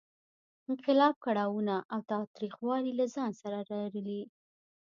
انقلاب کړاوونه او تاوتریخوالی له ځان سره لرلې.